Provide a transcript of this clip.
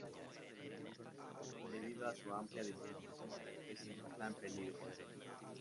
Debido a su amplia distribución la especie no está en peligro.